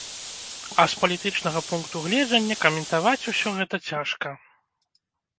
А з палітычнага пункту гледжання каментаваць усё гэта цяжка.